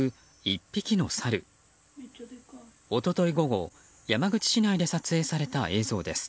一昨日午後山口市内で撮影された映像です。